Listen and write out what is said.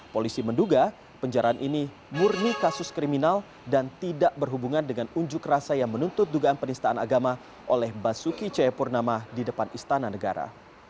polisi menduga penjarahan ini murni kasus kriminal dan tidak berhubungan dengan unjuk rasa yang menuntut dugaan penistaan agama oleh basuki cepurnama di depan istana negara